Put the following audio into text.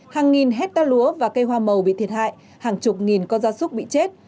hàng nghìn hecta lúa và cây hoa màu bị thiệt hại hàng chục nghìn con da súc bị chết